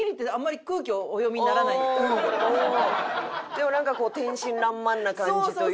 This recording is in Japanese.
でもなんかこう天真らんまんな感じというか。